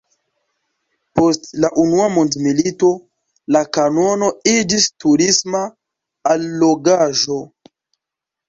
Post la Unua Mondmilito la kanono iĝis turisma allogaĵo.